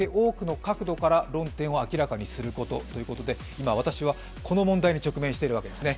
今、私はこの問題に直面しているわけですね。